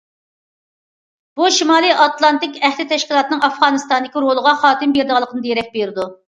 بۇ- شىمالىي ئاتلانتىك ئەھدى تەشكىلاتىنىڭ ئافغانىستاندىكى رولىغا خاتىمە بېرىدىغانلىقىدىن دېرەك بېرىدۇ.